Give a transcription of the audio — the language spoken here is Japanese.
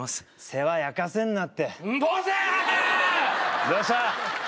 世話焼かせんな